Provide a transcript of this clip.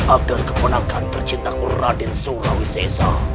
agar kemenangan tercintaku raden surawis eza